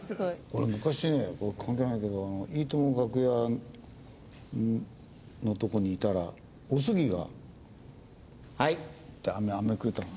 俺昔ね関係ないんだけど『いいとも！』の楽屋のとこにいたらおすぎが「はい」って飴くれたの。